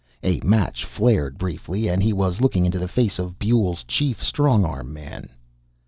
A match flared briefly and he was looking into the face of Buehl's chief strong arm man.